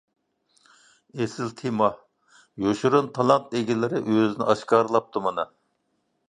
ئېسىل تېما! يوشۇرۇن تالانت ئىگىلىرى ئۆزىنى ئاشكارىلاپتۇ مانا.